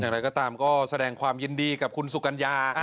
อย่างไรก็ตามก็แสดงความยินดีกับคุณสุกัญญา